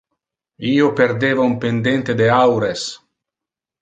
Io perdeva un pendente de aures.